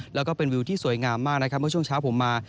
แล้วก็เป็นวิวที่สวยงามมากนะครับเมื่อช่วงเช้าผมมา